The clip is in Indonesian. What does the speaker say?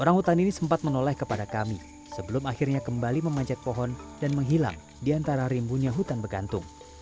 orang hutan ini sempat menoleh kepada kami sebelum akhirnya kembali memanjat pohon dan menghilang di antara rimbunya hutan begantung